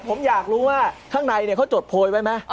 ผมอยากรู้ว่าข้างในเขาจดโพยไว้ไหม